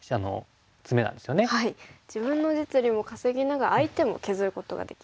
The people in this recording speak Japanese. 自分の実利も稼ぎながら相手も削ることができるんですね。